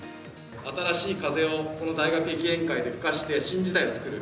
新しい風をこの大学駅伝界で吹かせて新時代を作る。